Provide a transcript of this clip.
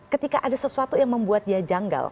ketika ada sesuatu yang membuat dia janggal